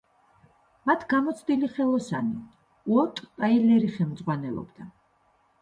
მათ გამოცდილი ხელოსანი, უოტ ტაილერი ხელმძღვანელობდა.